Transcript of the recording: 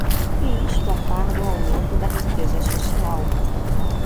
e isto a par do aumento da riqueza social